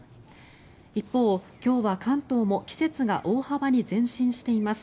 一方、今日は関東も季節が大幅に前進しています。